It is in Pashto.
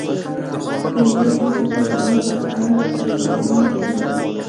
مدیر تاسو ته د وخت په اړه لارښوونه کوي.